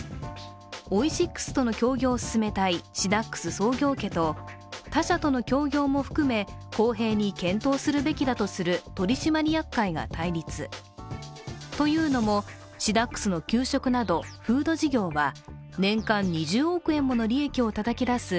オイシックスとの協業を進めたいシダックス創業家と他社との協業も含め、公平に検討するべきだとする取締役会が対立。というのも、シダックスの給食などフード事業は年間２０億円もの利益をたたき出す